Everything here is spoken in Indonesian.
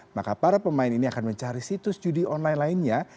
maka para pemain ini akan mencari situs judi online lainnya